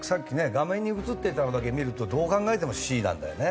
画面に映ってたのだけ見るとどう考えてもＣなんだよね。